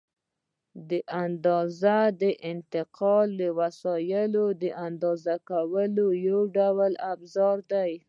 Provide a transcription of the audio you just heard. د اندازې د انتقال وسایل د اندازه کولو یو ډول افزار دي.